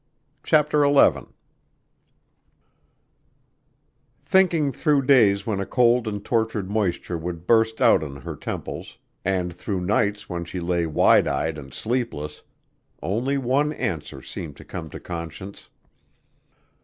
CHAPTER XI Thinking through days when a cold and tortured moisture would burst out on her temples and through nights when she lay wide eyed and sleepless, only one answer seemed to come to Conscience.